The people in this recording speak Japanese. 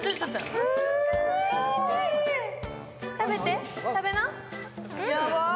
食べて、食べな？